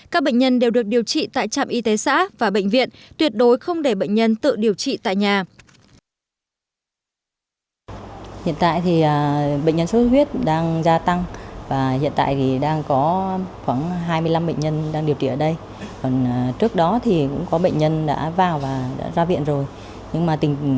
các bệnh nhân đều được điều trị tại trạm y tế xã và bệnh viện tuyệt đối không để bệnh nhân tự điều trị tại nhà